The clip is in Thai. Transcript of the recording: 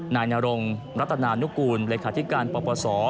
นายนรงรัตนานุกูลเลขาธิการปปศ